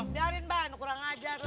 biarin banget kurang ajar